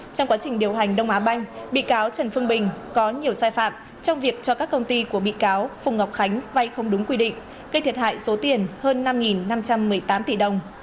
trong quá trình điều hành đông á banh bị cáo trần phương bình có nhiều sai phạm trong việc cho các công ty của bị cáo phùng ngọc khánh vay không đúng quy định gây thiệt hại số tiền hơn năm năm trăm một mươi tám tỷ đồng